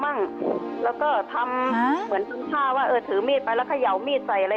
่งแล้วก็ทำเหมือนทำท่าว่าเออถือมีดไปแล้วเขย่ามีดใส่อะไร